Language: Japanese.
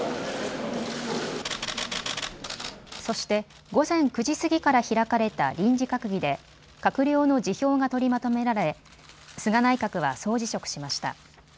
そして午前９時過ぎから開かれた臨時閣議で閣僚の辞表が取りまとめられ菅内閣は総辞職しました。